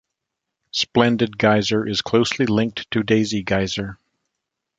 Splendid Geyser is closely linked to Daisy Geyser.